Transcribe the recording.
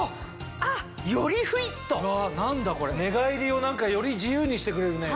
寝返りをより自由にしてくれるね。